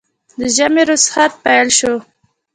د ژمي روخصت پېل شو